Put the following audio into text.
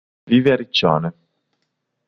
Vive a Riccione.